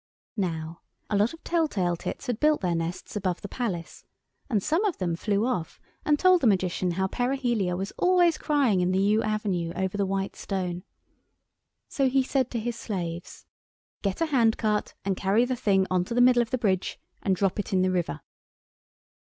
Now a lot of tell tale tits had built their nests above the Palace, and some of them flew off and told the Magician how Perihelia was always crying in the yew avenue over the white stone. So he said to his slaves: "Get a hand cart, and carry the thing on to the middle of the bridge and drop it into the river."